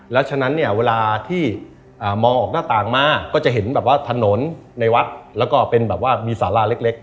แล้วฉะนั้นเนี่ยเวลาที่มองออกหน้าต่างมาก็จะเห็นแบบว่าถนนในวัดแล้วก็เป็นแบบว่ามีสาราเล็ก